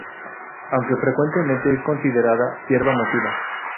Aunque frecuentemente es considerada hierba nociva.